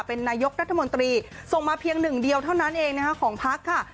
เป็นนายกรัฐมนตรีส่งมาเพียงหนึ่งเดียวเท่านั้นเองนะคะของพักค่ะ